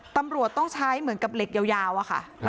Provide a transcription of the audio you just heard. ตำรวจต้องใช้เหมือนกับเหล็กยาวอะค่ะ